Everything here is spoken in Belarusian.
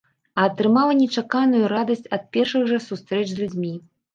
А атрымала нечаканую радасць ад першых жа сустрэч з людзьмі.